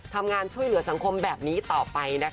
ช่วยเหลือสังคมแบบนี้ต่อไปนะคะ